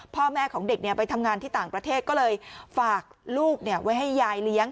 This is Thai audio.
พ่อแม่ของเด็กไปทำงานที่ต่างประเทศก็เลยฝากลูกไว้ให้ยายเลี้ยง